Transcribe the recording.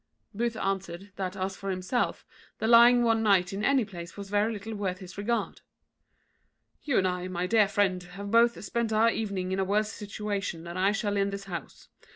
Booth answered, that as for himself, the lying one night in any place was very little worth his regard. "You and I, my dear friend, have both spent our evening in a worse situation than I shall in this house.